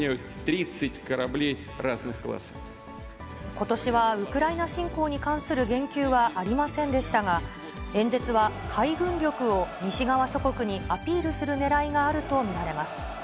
ことしはウクライナ侵攻に関する言及はありませんでしたが、演説は海軍力を西側諸国にアピールするねらいがあると見られます。